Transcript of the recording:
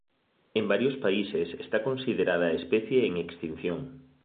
En varios países está considerada especie en extinción.